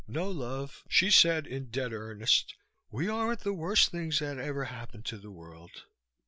No, love," she said, in dead earnest, "we aren't the worst things that ever happened to the world.